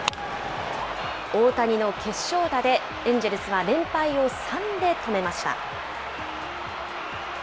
大谷の決勝打でエンジェルスは連敗を３で止めました。